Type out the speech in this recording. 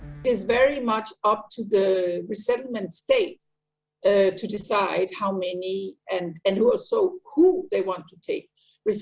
contohnya mereka tidak ingin memiliki perempuan yang berpengungsi